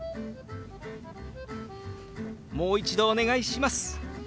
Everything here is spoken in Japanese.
「もう一度お願いします」。